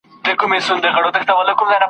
په قفس کي به ککړي درته کړمه ,